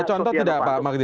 ada contoh tidak pak makhdir